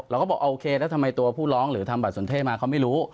เราก็บอกโอเคแล้วทำไมตัวผู้ร้องหรือทำบัตรสนเท่มาเขาไม่รู้